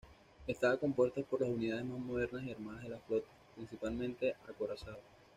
Estaba compuesta por las unidades más modernas y armadas de la flota, principalmente acorazados.